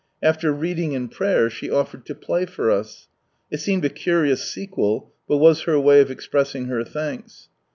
After reading and prayer, she offered to play for us ; it seemed a curious sequel, but was her way of expressing her thanks.